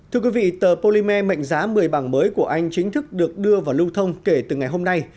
thưa quý vị tờ polymer mệnh giá một mươi bảng mới của anh chính thức được đưa vào lưu thông kể từ ngày hôm nay